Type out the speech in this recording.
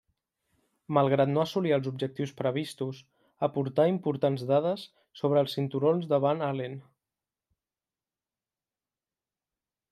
Malgrat no assolir els objectius previstos, aportà importants dades sobre els cinturons de Van Allen.